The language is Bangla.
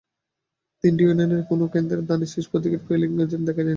তিনটি ইউনিয়নের কোনো কেন্দ্রে ধানের শীষ প্রতীকের পোলিং এজেন্ট দেখা যায়নি।